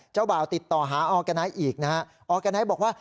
บ่าวติดต่อหาออร์แกไนท์อีกนะฮะออร์แกไนท์บอกว่า